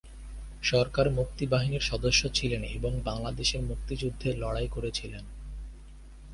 সরকার মুক্তি বাহিনীর সদস্য ছিলেন এবং বাংলাদেশের মুক্তিযুদ্ধে লড়াই করেছিলেন।